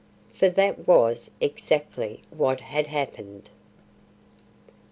For that was exactly what had happened.